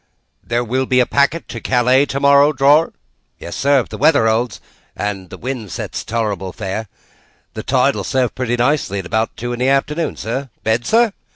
"There will be a packet to Calais, tomorrow, drawer?" "Yes, sir, if the weather holds and the wind sets tolerable fair. The tide will serve pretty nicely at about two in the afternoon, sir. Bed, sir?"